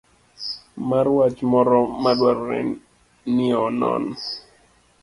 mar wach moro madwarore nionon.